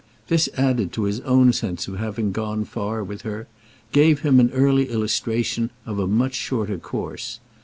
This added to his own sense of having gone far with her—gave him an early illustration of a much shorter course.